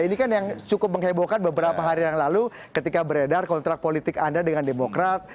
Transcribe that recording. ini kan yang cukup menghebohkan beberapa hari yang lalu ketika beredar kontrak politik anda dengan demokrat